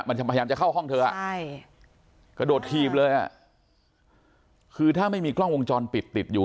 พยายามจะเข้าห้องเธอใช่กระโดดถีบเลยอ่ะคือถ้าไม่มีกล้องวงจรปิดติดอยู่